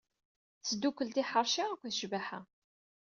Tesdukel tiḥerci aked cbaḥa.